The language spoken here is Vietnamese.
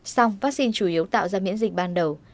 song vaccine chủ yếu tạo ra miễn dịch ban đầu